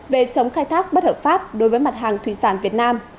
về chống khai thác bất hợp pháp đối với mặt hàng thủy sản việt nam